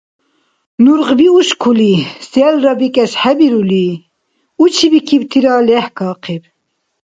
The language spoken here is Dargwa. Нургъби ушкули, селра бикӀес хӀебирули учибикибтира лехӀкахъиб.